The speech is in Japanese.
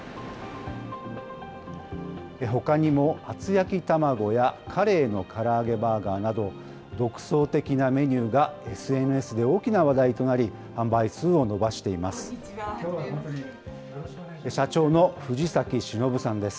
ほかにも厚焼きたまごやカレイのから揚げバーガーなど、独創的なメニューがＳＮＳで大きな話題となり、販売数を伸ばしています。